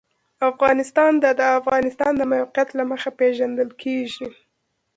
افغانستان د د افغانستان د موقعیت له مخې پېژندل کېږي.